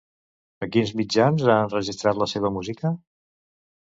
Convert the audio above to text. A quins mitjans ha enregistrat la seva música?